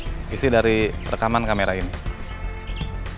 kita harus melihat isi dari rekaman kamera ini